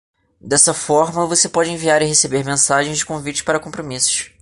Dessa forma, você pode enviar e receber mensagens de convite para compromissos.